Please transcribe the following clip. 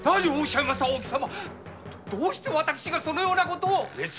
どうして私がそのようなことを目付・